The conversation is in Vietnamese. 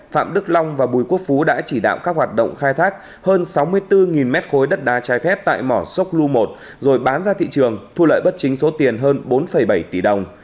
phạm đức long và bùi quốc phú đã chỉ đạo các hoạt động khai thác hơn sáu mươi bốn mét khối đất đá trái phép tại mỏ sốc lu một rồi bán ra thị trường thu lợi bất chính số tiền hơn bốn bảy tỷ đồng